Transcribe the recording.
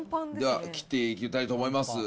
では切っていきたいと思います。